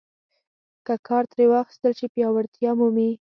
که کار ترې واخیستل شي پیاوړتیا مومي.